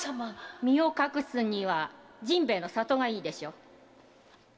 〔身を隠すには甚兵衛の里がいいでしょう〕